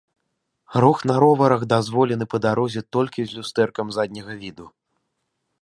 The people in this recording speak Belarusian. Рух на роварах дазволены па дарозе толькі з люстэркам задняга віду.